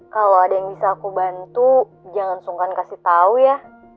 kalau ada yang bisa aku bantu jangan sungkan kasih tahu ya